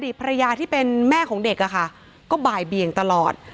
ภรรยาที่เป็นแม่ของเด็กอะค่ะก็บ่ายเบี่ยงตลอด